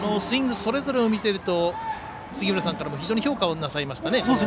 スイングそれぞれを見ていると杉浦さんも非常に評価がありましたね。